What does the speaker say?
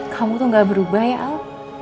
kamu tuh gak berubah ya al